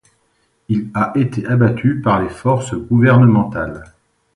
Il a été abattu par les forces gouvernementales.